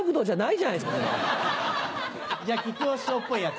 じゃあ木久扇師匠っぽいやつ。